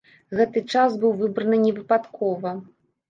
Гэты час быў выбраны не выпадкова.